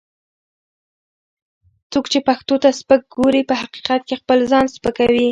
څوک چې پښتو ته سپک ګوري، په حقیقت کې خپل ځان سپکوي